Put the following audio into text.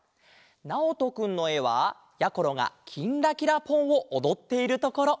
なおとくんのえはやころが「きんらきらぽん」をおどっているところ。